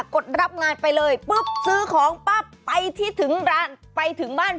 กดรับงานไปเลยซื้อของไปที่ถึงร้านไปถึงบ้าน